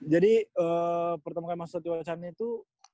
jadi pertama kali masuk satyawetana itu